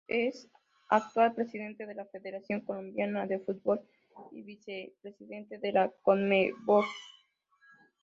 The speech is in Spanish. Es actual presidente de la Federación Colombiana de Fútbol y vicepresidente de la Conmebol.